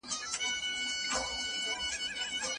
ټولنیز مهارتونه مو په کاري چاپیریال کي مرسته کوي.